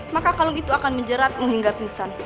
maka kalung itu akan menjeratmu hingga tusan